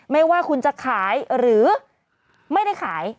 ไม่ว่าคุณจะขายหรือไม่ได้ขาย